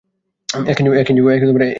এক ইঞ্চিও নড়ছে না।